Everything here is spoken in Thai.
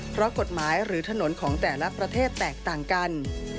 เพราะกฎหมายหรือถนนของแต่ละประเทศแตกต่างกัน